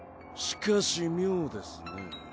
しかし妙ですね。